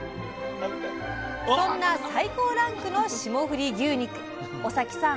そんな最高ランクの霜降り牛肉尾碕さん